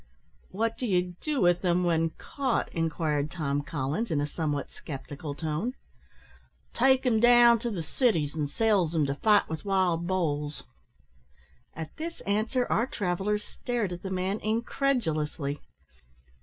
"What do you do with them when caught?" inquired Tom Collins, in a somewhat sceptical tone. "Take 'em down to the cities, an' sells 'em to fight with wild bulls." At this answer our travellers stared at the man incredulously.